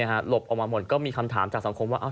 หลบออกมาหมดก็มีคำถามจากสังคมว่า